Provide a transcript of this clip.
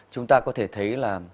chúng ta có thể thấy là